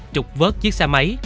trục vớt chiếc xe máy